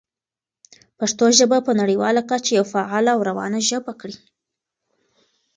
پښتو ژبه په نړیواله کچه یوه فعاله او روانه ژبه کړئ.